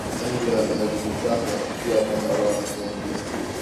Nungwi inajulikana pia kama Ras Nungwi